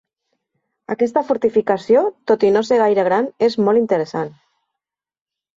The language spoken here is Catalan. Aquesta fortificació, tot i no ser gaire gran, és molt interessant.